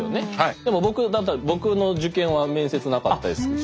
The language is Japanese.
でも僕だったら僕の受験は面接なかったですし。